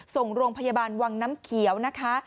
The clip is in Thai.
ส่งโรงพยาบาลวังน้ำเขียวนะคะ